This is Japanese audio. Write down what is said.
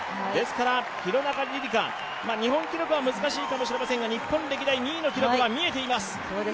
廣中璃梨佳、日本記録は難しいかもしれませんが日本歴代２位の記録は見えています